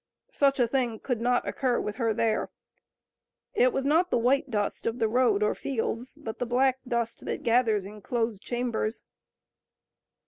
Such a thing could not occur with her there. It was not the white dust of the road or fields, but the black dust that gathers in closed chambers.